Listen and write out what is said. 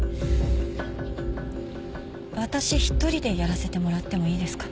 私一人でやらせてもらってもいいですか？